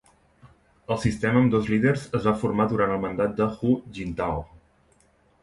El sistema amb dos líders es va reformar durant el mandat de Hu Jintao.